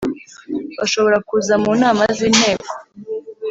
bashobora kuza mu nama z,inteko